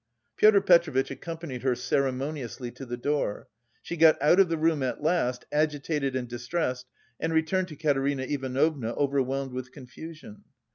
Pyotr Petrovitch accompanied her ceremoniously to the door. She got out of the room at last, agitated and distressed, and returned to Katerina Ivanovna, overwhelmed with confusion.